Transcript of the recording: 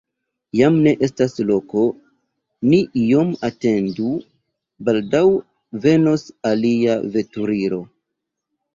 Jam ne estas loko, ni iom atendu, baldaŭ venos alia veturilo.